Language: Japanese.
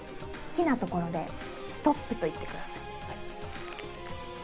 好きなところでストップ！と言ってください。